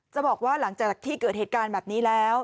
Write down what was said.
บอกว่าหลังจากที่เกิดเหตุการณ์แบบนี้แล้ว